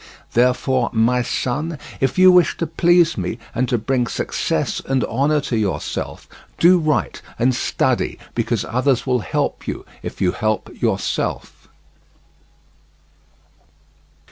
Therefore, my son, if you wish to please me, and to bring success and honour to yourself, do right and study, because others will help you if you help yourself."